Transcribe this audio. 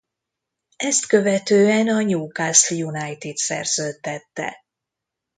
Ezt követően a Newcastle United szerződtette.